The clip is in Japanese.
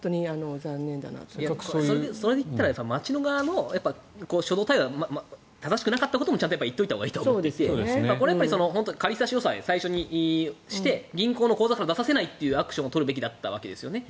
それでいったら町の側の初動対応が正しくなかったことも言ったほうがよくてこれは仮差し押さえを最初にして銀行の口座から出させないというアクションをやるべきだったわけですよね。